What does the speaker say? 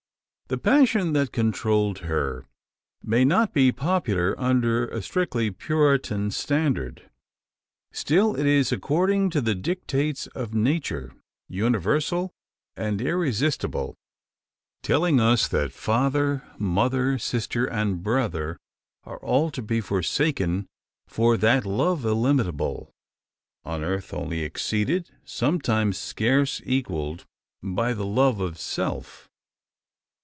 The passion that controlled her may not be popular under a strictly Puritan standard. Still is it according to the dictates of Nature universal and irresistible telling us that father, mother, sister, and brother, are all to be forsaken for that love illimitable; on Earth only exceeded sometimes scarce equalled by the love of self.